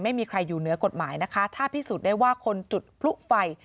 ไม่มีใครอยู่เหนือกฎหมายนะคะถ้าพิสูจน์ได้ว่าคนจุดพลุไฟ